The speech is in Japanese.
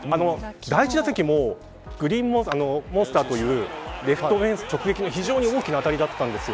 第１打席もグリーンモンスターというレフトフェンス直撃の非常に大きな当たりだったんです。